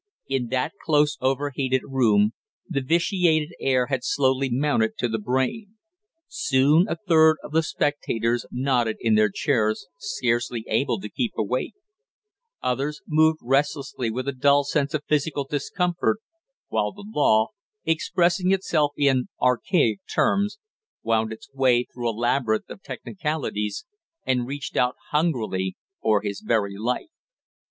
In that close overheated room the vitiated air had slowly mounted to the brain; soon a third of the spectators nodded in their chairs scarcely able to keep awake; others moved restlessly with a dull sense of physical discomfort, while the law, expressing itself in archaic terms, wound its way through a labyrinth of technicalities, and reached out hungrily for his very life.